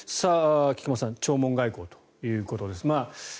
菊間さん弔問外交ということです。